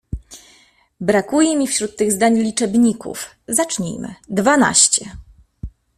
Brakuje mi wśród tych zdań liczebników. Zacznijmy: dwanaście